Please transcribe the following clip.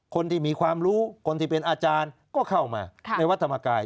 คนที่มีความรู้คนที่เป็นอาจารย์ก็เข้ามาในวัดธรรมกาย